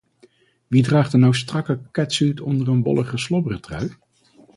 Wie draagt er nou een strakke catsuit onder een wollige slobbertrui?